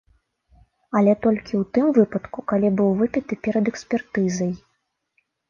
Але толькі у тым выпадку, калі быў выпіты перад экспертызай.